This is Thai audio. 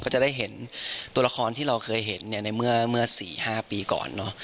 จะได้เห็นตัวละครที่เราเคยเห็นเมื่อสี่ห้าปีก่อน